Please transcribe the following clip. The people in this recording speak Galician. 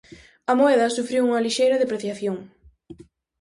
A moeda sufriu unha lixeira depreciación.